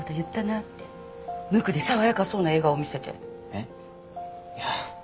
えっ？いや。